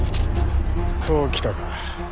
そう来たか。